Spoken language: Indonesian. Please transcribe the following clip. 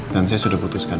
dan saya sudah putuskan